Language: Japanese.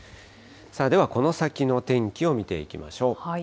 ではこの先の天気を見ていきましょう。